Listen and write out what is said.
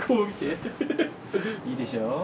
いいでしょう。